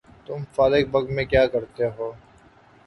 تم فارغ وقت میں کیاکرتےہو؟